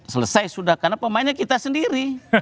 selesai sudah karena pemainnya kita sendiri